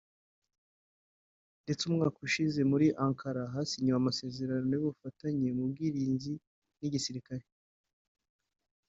ndetse umwaka ushize muri Ankara hasinyiwe amasezerano y’ubufatanye mu by’ubwirinzi n’igisirikare